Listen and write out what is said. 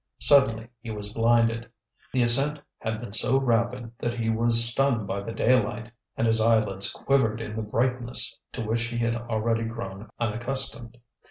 Suddenly he was blinded. The ascent had been so rapid that he was stunned by the daylight, and his eyelids quivered in the brightness to which he had already grown unaccustomed.